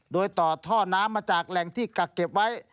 โดยต่อท่อน้ำมาจากแหล่งที่กักเก็บไว้